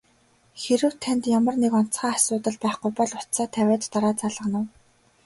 Хэрэв танд ямар нэг онцгой асуудал байхгүй бол утсаа тавиад дараа залгана уу?